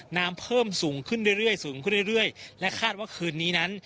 น้ำเพิ่มสูงขึ้นเรื่อยและคาดว่าคืนนี้นั้น